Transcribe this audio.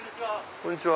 こんにちは。